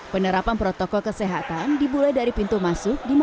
penerapan protokol kesehatan dimulai dari pintu masuk